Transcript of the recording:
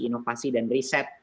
inovasi dan riset